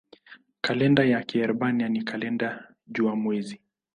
Kalenda ya Kiebrania ni kalenda jua-mwezi.